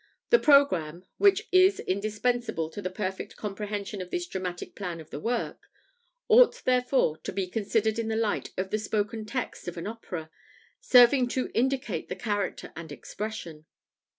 The programme (which is indispensable to the perfect comprehension of the dramatic plan of the work) ought therefore to be considered in the light of the spoken text of an opera, serving to ... indicate the character and expression."